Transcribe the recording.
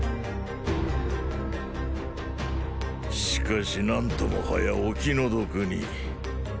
しかし何ともはやお気の毒に。